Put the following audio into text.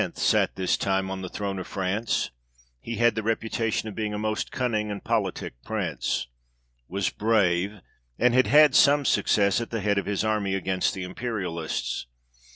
II Charles the Xth sat this time on the throne of France : he had the reputation of being a most cunning and politic prince ; was brave, and had had some success at the head of his army against the Imperialists.